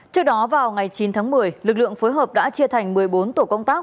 trước đó vào ngày chín tháng một mươi lực lượng phối hợp đã chia thành một mươi bốn tổ công tác